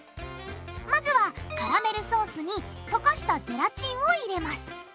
まずはカラメルソースに溶かしたゼラチンを入れます。